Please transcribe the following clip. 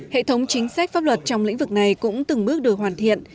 hệ thống chính sách pháp luật trong lĩnh vực này cũng từng bước đổi hoàn thiện